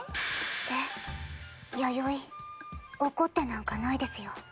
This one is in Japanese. えっ弥生怒ってなんかないですよ。